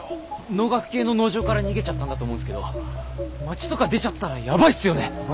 農学系の農場から逃げちゃったんだと思うんすけど街とか出ちゃったらやばいっすよね。